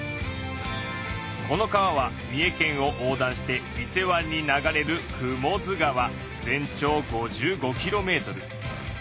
この川は三重県を横断して伊勢湾に流れる全長５５キロメートル。